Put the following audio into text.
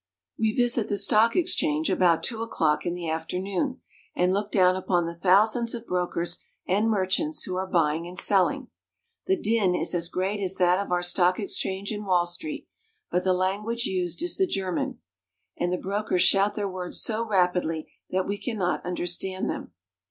We visit the Stock Exchange about two o'clock in the afternoon, and look down upon the thousands of brokers and merchants who are buying and selling. The din is as great as that of our stock exchange in Wall Street, but the language used is the German, and the brokers shout their words so rapidly that we can not understand them.